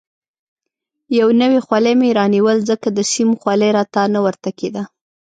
یو نوی خولۍ مې رانیول، ځکه د سیم خولۍ راته نه ورته کېده.